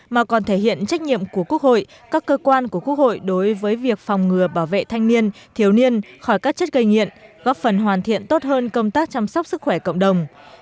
mà còn thể hiện trách nhiệm của quốc hội các cơ quan của quốc hội đối với việc phòng ngừa bảo vệ thanh niên thiếu niên khỏi các chất gây nghiện góp phần hoàn thiện tốt hơn công tác chăm sóc sức khỏe cộng đồng